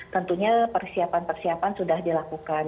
tentunya persiapan persiapan sudah dilakukan